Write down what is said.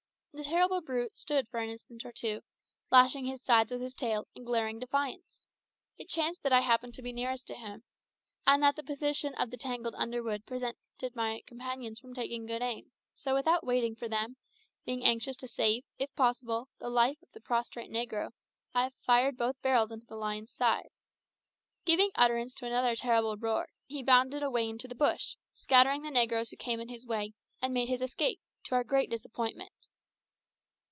The terrible brute stood for an instant or two, lashing his sides with his tail and glaring defiance. It chanced that I happened to be nearest to him, and that the position of the tangled underwood prevented my companions from taking good aim; so without waiting for them, being anxious to save, if possible, the life of the prostrate negro, I fired both barrels into the lion's side. Giving utterance to another terrible roar, he bounded away into the bush, scattering the negroes who came in his way, and made his escape, to our great disappointment.